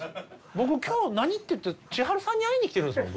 僕今日何っていうと千春さんに会いに来てるんですもん